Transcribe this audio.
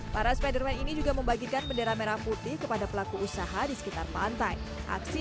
para spiderman ini juga membagikan bendera merah putih kepada pelaku usaha di sekitar pantai aksi